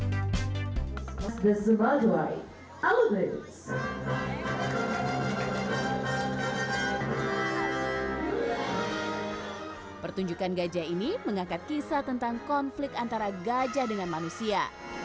dan kemudian pembahasan kata kata kata kata gajah ini mengangkat kisah tentang konflik antara gajah dengan manusia